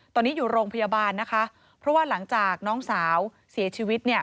ตอนนี้อยู่โรงพยาบาลนะคะเพราะว่าหลังจากน้องสาวเสียชีวิตเนี่ย